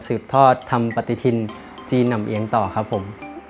สืบทอดทำปฏิทินจีนหนำเอียงต่อครับผม